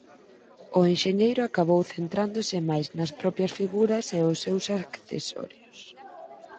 O enxeñeiro acabou centrándose máis nas propias figuras e os seus accesorios.